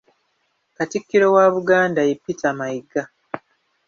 Katikkiro wa Buganda ye Peter Mayiga.